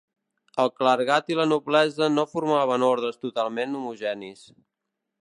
El clergat i la noblesa no formaven ordres totalment homogenis.